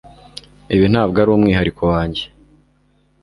Ibi ntabwo ari umwihariko wanjye